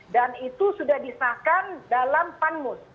dan itu sudah disahkan dalam panmus